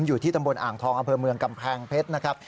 อยู่ที่ตำบลอ่างทองอำเภอเมืองกำแพงเพชรนะครับ